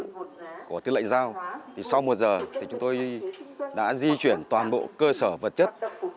cái nhiệm vụ của tư lệnh giao thì sau một giờ thì chúng tôi đã di chuyển toàn bộ cơ sở vật chất